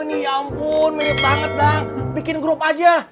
ya ampun mirip banget bikin grup aja